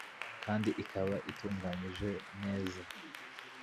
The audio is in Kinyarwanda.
kandi ikaba itunganyije neza,